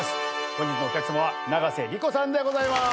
本日のお客さまは永瀬莉子さんでございます。